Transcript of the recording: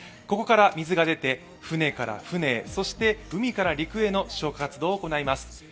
ここから水が出て船から船へそして、そして海から陸への消火活動を行います。